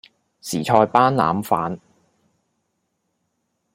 時菜班腩飯